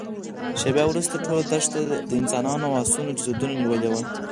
شېبه وروسته ټوله دښته د انسانانو او آسونو جسدونو نيولې وه.